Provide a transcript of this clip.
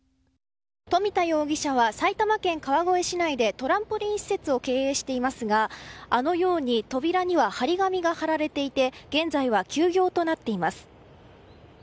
富田容疑者は埼玉県川越市内でトランポリン施設を経営していますがあのように扉には張り紙が貼られていて現在は休業となっています。